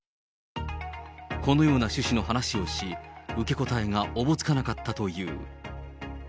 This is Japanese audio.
このような趣旨の話をし、受け答えがおぼつかなかったという。